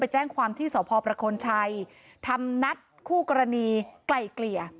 แจ้งความที่สพประคลชัยทำนัดคู่กรณีไกลเกลี่ย